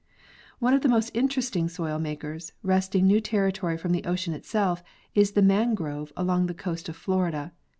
One of the most interesting soil makers, wresting new territory from the ocean itself, is the mangrove along the coast of Florida.